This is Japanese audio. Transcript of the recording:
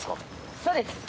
そうです。